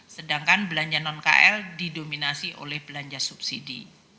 sedangkan belanja non kl didominasi oleh belanja subsidi